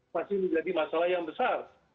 masih menjadi masalah yang besar